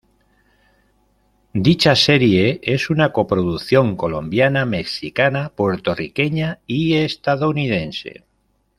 Dicha serie es una coproducción colombiana, mexicana, puertorriqueña y estadounidense.